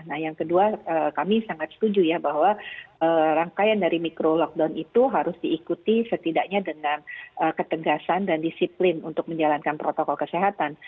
nah yang kedua kami sangat setuju ya bahwa rangkaian dari mikro lockdown itu harus diikuti setidaknya dengan ketegasan dan disiplin untuk menjalankan protokol kesehatan